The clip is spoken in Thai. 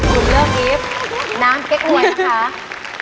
ผมเลือกอีฟน้ำเก๊กหวยนะคะ